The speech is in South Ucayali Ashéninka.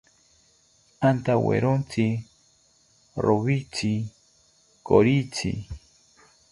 Antawerintzi rowitzi koritzi